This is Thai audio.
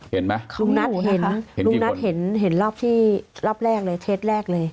เห็นไหมลุงนัทเห็นลุงนัทเห็นรอบที่รอบแรกเลยเทสแรกเลย